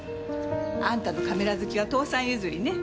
あんたのカメラ好きは父さん譲りね。